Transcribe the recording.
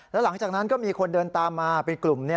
แล้วหลังจากนั้นก็มีคนเดินตามมาเป็นกลุ่ม